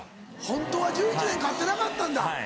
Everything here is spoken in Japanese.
ホントは１１年勝ってなかったんだ。